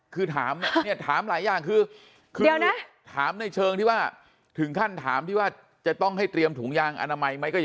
คือถามเนี่ยถามหลายอย่างคือเดี๋ยวนะถามในเชิงที่ว่าถึงขั้นถามที่ว่าจะต้องให้เตรียมถุงยางอนามัยไหมก็เยอะ